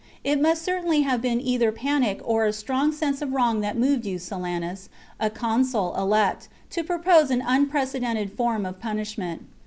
It must certainly have been either panic or a strong sense of wrong that moved you, Silanus, a consul elect, to propose an unprecedented form of punish ment.